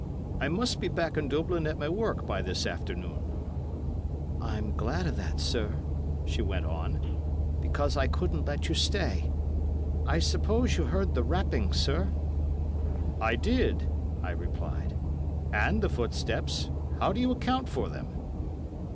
"I must be back in Dublin at my work by this afternoon." "I'm glad of that, sir," she went on; "because I couldn't let you stay. I suppose you heard the rapping, sir?" "I did," I replied; "and the footsteps—how do you account for them?"